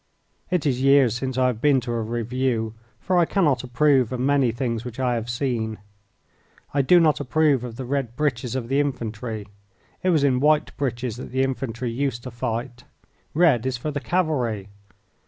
It is years since I have been to a review, for I cannot approve of many things which I have seen. I do not approve of the red breeches of the infantry. It was in white breeches that the infantry used to fight. Red is for the cavalry.